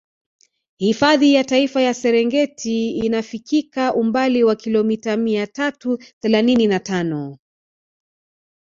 Hifadhi ya Taifa ya Serengeti inafikika umbali wa kilomita mia tatu thelathini na tano